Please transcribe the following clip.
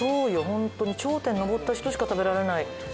ホントに頂点に上った人しか食べられない。